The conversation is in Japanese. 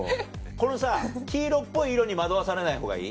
この黄色っぽい色に惑わされないほうがいい？